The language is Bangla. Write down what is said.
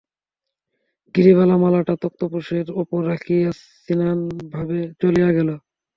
গিরিবালা মালাটা তক্তপোশের উপর রাখিয়া ম্লানভাবে চলিয়া গেল।